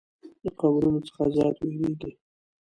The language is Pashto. له قبرونو څخه زیات ویریږي.